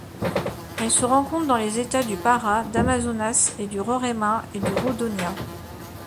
Elle se rencontre dans les États du Pará, d'Amazonas, du Roraima et du Rondônia.